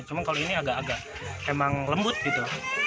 cuman kalau ini agak agak memang lembut gitu